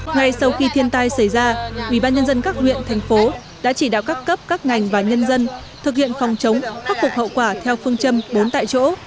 ngay sau khi thiên tai xảy ra ubnd các huyện thành phố đã chỉ đạo các cấp các ngành và nhân dân thực hiện phòng chống khắc phục hậu quả theo phương châm bốn tại chỗ